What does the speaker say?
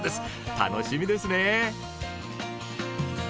楽しみですね！